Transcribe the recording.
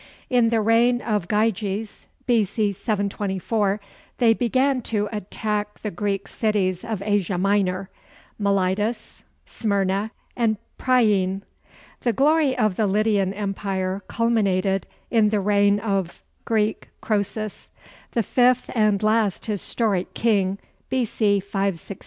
In the reign of Gyges, B.C. 724, they began to attack the Greek cities of Asia Minor: Miletus, Smyrna, and Priene. The glory of the Lydian Empire culminated in the reign of [Greek: Croesus], the fifth and last historic king, B.C. 568.